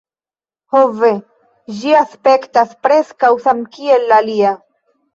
"Ho, ve. Ĝi aspektas preskaŭ samkiel la mia!"